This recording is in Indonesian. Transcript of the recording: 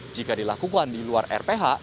jika dilakukan di luar rph